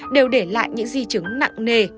đều để lại những di chứng nặng nề